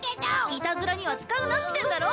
いたずらには使うなってんだろ？